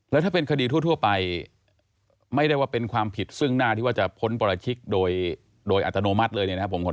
แล้วถ้าเป็นคดีทั่วไปไม่ได้ว่าเป็นความผิดซึ่งหน้าที่ว่าจะพ้นปรชิกโดยอัตโนมัติเลยเนี่ยนะครับ